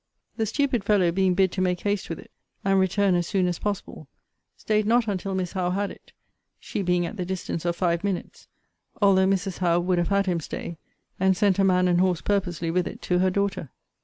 The stupid fellow being bid to make haste with it, and return as soon as possible, staid not until Miss Howe had it, she being at the distance of five minutes, although Mrs. Howe would have had him stay, and sent a man and horse purposely with it to her daughter.